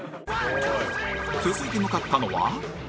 続いて向かったのは